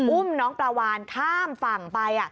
อุ้มน้องปลาวานข้ามฝั่งไป